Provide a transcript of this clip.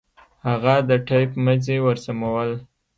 هغه د ټېپ مزي ورسمول.